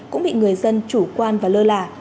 cũng bị người dân chủ quan và lơ lả